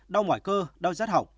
đau ngoại cơ đau giác học